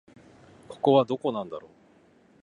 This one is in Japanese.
ここはどこなんだろう